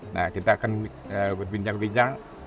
nah kita akan berbincang bincang